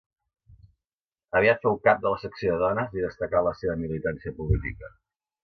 Aviat fou cap de la secció de dones i destacà en la seva militància política.